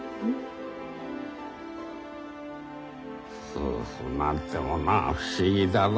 夫婦なんてものは不思議だな。